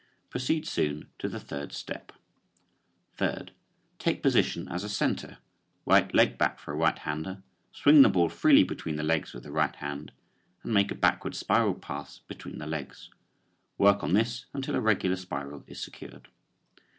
Proceed soon to the third step. Third: Take position as a center, right leg back for a right hander, swing the ball freely between the legs with the right hand, and make a backward spiral pass between the legs. Work on this until a regular spiral is secured.